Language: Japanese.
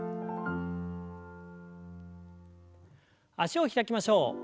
脚を開きましょう。